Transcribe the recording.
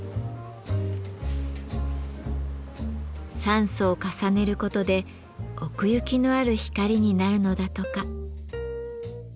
三層重ねることで奥行きのある光になるのだとか。